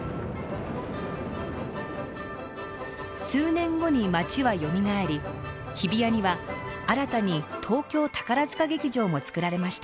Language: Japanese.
数年後に街はよみがえり日比谷には新たに東京宝塚劇場も造られました。